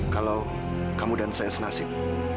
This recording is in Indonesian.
kalau kamu dan saya senasib